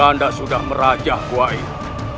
anda sudah meraja buah ini